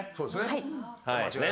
はい。